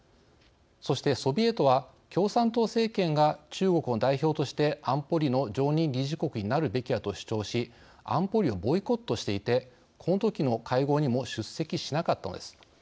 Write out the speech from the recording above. そして、ソビエトは共産党政権が中国の代表として安保理の常任理事国になるべきだと主張し安保理をボイコットしていてこのときの会合にも出席しなかったのです。